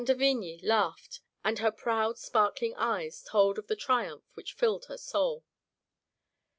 de Vigny laughed, and her proud sparkling eyes told of the triumph which filled her soul.